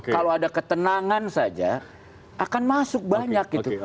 kalau ada ketenangan saja akan masuk banyak gitu